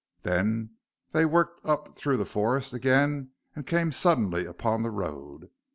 Then they worked up through forest again and came suddenly upon the road.